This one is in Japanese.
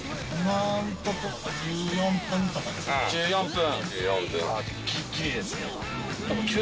１４分。